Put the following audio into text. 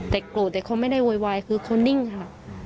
แต่โกรธแต่เขาไม่ได้โวยวายคือเขานิ่งค่ะ